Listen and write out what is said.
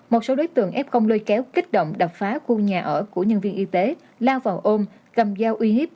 một số đối tượng f công lôi kéo kích động đập phá khu nhà ở của nhân viên y tế lao vào ôm cầm dao uy hiếp